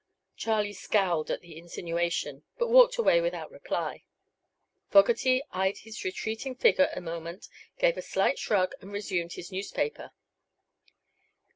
Charlie scowled at the insinuation, but walked away without reply. Fogerty eyed his retreating figure a moment, gave a slight shrug and resumed his newspaper.